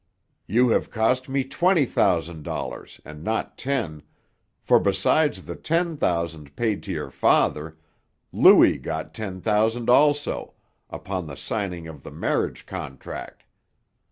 You have cost me twenty thousand dollars, and not ten; for besides the ten thousand paid to your father, Louis got ten thousand also, upon the signing of the marriage contract.